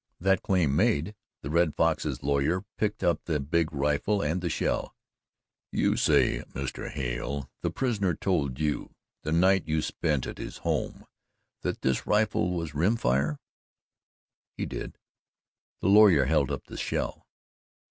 That claim made, the Red Fox's lawyer picked up the big rifle and the shell. "You say, Mr. Hale, the prisoner told you the night you spent at his home that this rifle was rim fire?" "He did." The lawyer held up the shell.